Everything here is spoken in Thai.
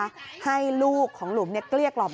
พอหลังจากเกิดเหตุแล้วเจ้าหน้าที่ต้องไปพยายามเกลี้ยกล่อม